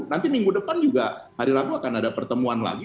nanti minggu depan juga hari rabu akan ada pertemuan lagi